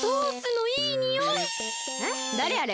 えっだれ？